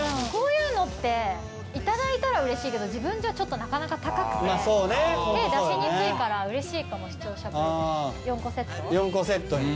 こういうのって頂いたらうれしいけど自分じゃちょっとなかなか高くて手出しにくいからうれしいかも視聴者プレゼント。